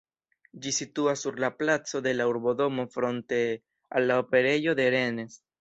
Ĝi situas sur la placo de la urbodomo fronte al la operejo de Rennes.